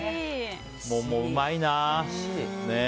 桃、うまいな。